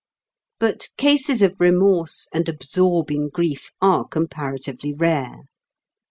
But cases of remorse and absorbing grief are comparatively rare.